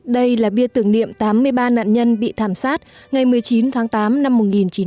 đây là bia tưởng niệm tám mươi ba nạn nhân bị thảm sát ngày một mươi chín tháng tám năm một nghìn chín trăm bảy mươi